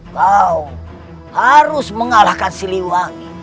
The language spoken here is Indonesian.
kau harus mengalahkan siliwangi